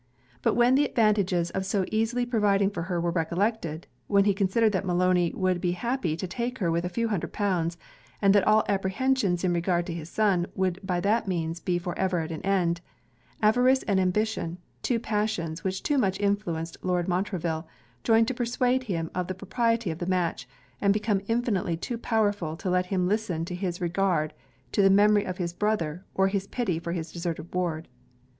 But when the advantages of so easily providing for her were recollected; when he considered that Maloney would be happy to take her with a few hundred pounds, and that all apprehensions in regard to his son would by that means for ever be at an end; avarice and ambition, two passions which too much influenced Lord Montreville, joined to persuade him of the propriety of the match; and became infinitely too powerful to let him listen to his regard to the memory of his brother or his pity for his deserted ward.